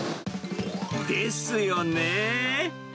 ですよね。